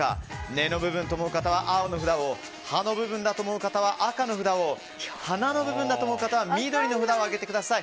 根の部分だと思う方は青の札を葉の部分だと思う方は赤の札を花の部分だと思う方は緑の札を上げてください。